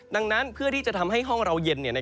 ดังนั้นเพื่อที่จะทำให้ห้องเราเย็น